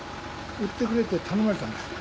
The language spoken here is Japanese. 売ってくれって頼まれたんだよ。